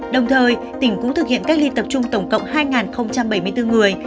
đồng thời tỉnh cũng thực hiện cách ly tập trung tổng cộng hai bảy mươi bốn người